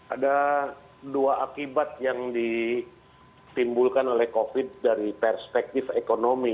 ada dua akibat yang ditimbulkan oleh covid dari perspektif ekonomi